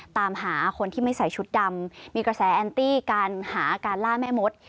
ตามหาคนที่ไม่ใส่ชุดดำมีกระแสแอนตี้การหาการล่าแม่มด